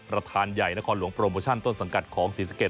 ประธานใหญ่นครหลวงโปรโมชั่นต้นสังกัดของศรีสะเกด